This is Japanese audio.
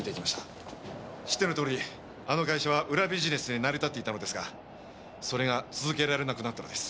知ってのとおりあの会社は裏ビジネスで成り立っていたのですがそれが続けられなくなったのです。